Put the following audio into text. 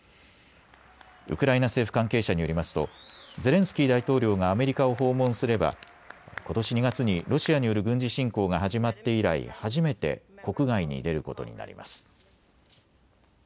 ウクライナ政府関係者によりますとゼレンスキー大統領がアメリカを訪問すればことし２月にロシアによる軍事侵攻が始まって以来、初めて国外に出ることになります。